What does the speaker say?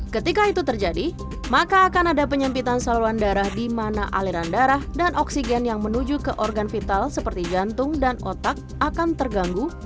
ketika itu terjadi maka akan ada penyempitan saluran darah di mana aliran darah dan oksigen yang menuju ke organ vital seperti jantung dan otak akan terganggu